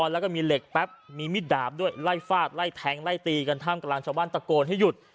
แล้วก็มีเหล็กแป๊บมีมิดดาบด้วยไล่ฟาดไล่แทงไล่ตีกันท่ามกลางชาวบ้านตะโกนให้หยุด